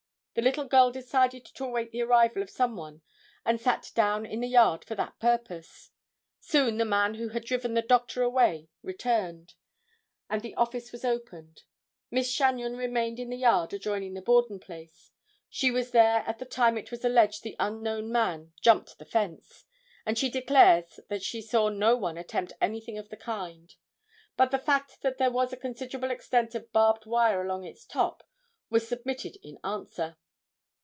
The little girl decided to await the arrival of some one and sat down in the yard for that purpose. Soon the man who had driven the doctor away returned, and the office was opened. Miss Chagnon remained in the yard adjoining the Borden place. She was there at the time it was alleged the unknown man jumped the fence, and she declares that she saw no one attempt anything of the kind, but the fact that there was a considerable extent of barbed wire along its top was submitted in answer.